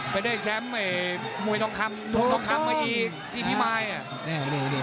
ไปด้วยแชมป์มวยท้องคับมวยท้องคับเมื่อกี้ที่พี่มาย